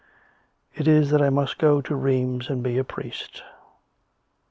It is that I must go to Rheims and be a priest."